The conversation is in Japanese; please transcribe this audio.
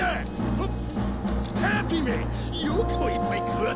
はっ！